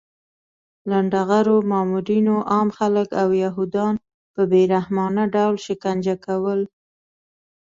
لنډغرو مامورینو عام خلک او یهودان په بې رحمانه ډول شکنجه کول